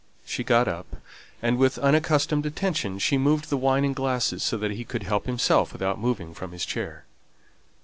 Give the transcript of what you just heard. She got up, and with unaccustomed attention moved the wine and glasses so that he could help himself without moving from his chair.